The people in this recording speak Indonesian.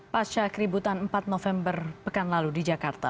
pasca keributan empat november pekan lalu di jakarta